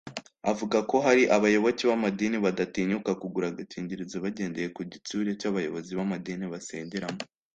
Avuga ko hari abayoboke b’amadini badatinyuka kugura agakingirizo bagendeye ku gitsure cy’abayobozi b’amadini basengeramo